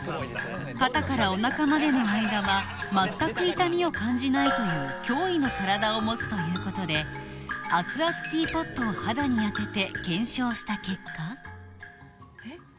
肩からおなかまでのあいだは全く痛みを感じないという驚異の体を持つということで熱々ティーポットを肌に当てて検証した結果おっ！